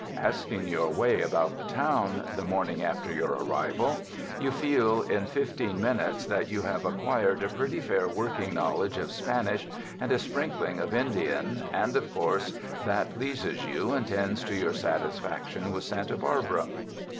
Asking your way about the town, the morning after your arrival, you feel in fifteen minutes that you have acquired a pretty fair working knowledge of Spanish and a sprinkling of Indian, and of course that pleases you and tends to your satisfaction with Santa Barbara.